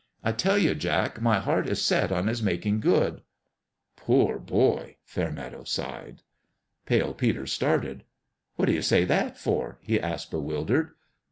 I tell you, Jack, my heart is set on his making good !"" Poor boy !" Fairmeadow sighed. Pale Peter started. " What do you say that for?" he asked, bewildered.